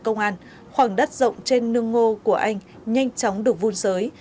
công an hoàng đất rộng trên nương ngô của anh nhanh chóng được vun sới